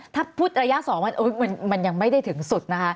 ถ้าพูดระยะ๒มันยังไม่ได้ถึงสุดนะคะ